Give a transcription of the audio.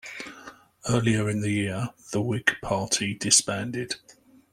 Earlier in the year, the Whig Party disbanded.